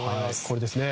これですね。